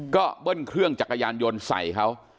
ก็เบิ้ลเครื่องจักรยานยนต์ใส่เขา